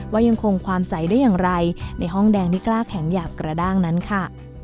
ว่ายังคงความใสได้อย่างไรในห้องแดงที่กล้าแข็งหยาบกระด้างนั้นค่ะ